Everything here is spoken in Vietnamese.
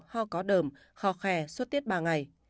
ho có đờm ho khe suốt tiết ba ngày